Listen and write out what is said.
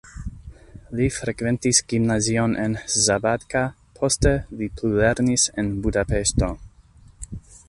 Li frekventis gimnazion en Szabadka, poste li plulernis en Budapeŝto.